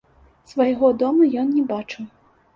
Свайго дома ён не бачыў.